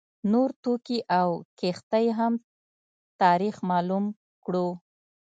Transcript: نور توکي او کښتۍ هم تاریخ معلوم کړو.